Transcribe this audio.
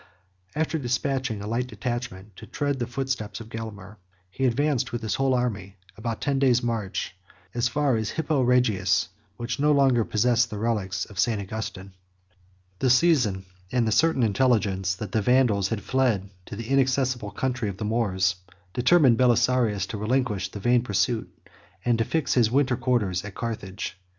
After despatching a light detachment to tread the footsteps of Gelimer, he advanced, with his whole army, about ten days' march, as far as Hippo Regius, which no longer possessed the relics of St. Augustin. 22 The season, and the certain intelligence that the Vandal had fled to an inaccessible country of the Moors, determined Belisarius to relinquish the vain pursuit, and to fix his winter quarters at Carthage.